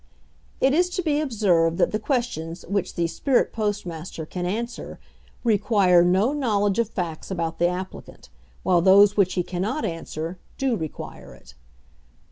It is to be observed that the questions which the "Spirit Postmaster" can answer require no knowledge of facts about the applicant, while those which he cannot answer, do require it.